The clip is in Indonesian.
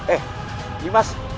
eh ini mas